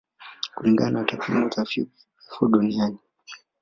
Kulingana na takwimu za vifo duniani